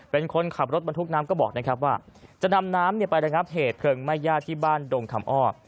เป็นคนขับรถบรรทุกน้ำก็บอกนะครับว่าจะนำน้ำไประงับเหตุเพลิงไหม้ญาติที่บ้านดงคำอ้อ